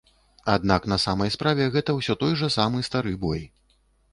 Аднак на самай справе гэта ўсё той жа самы стары бой.